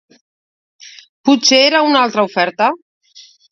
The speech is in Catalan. Potser era una altra oferta?